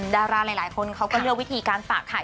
ดาราหลายคนเขาก็เลือกวิธีการฝากไข่